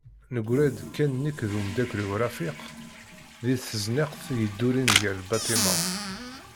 Neggra-d kan nekk d umdakel-iw Rafiq deg tezniqt yeddurin gar lbaṭimat.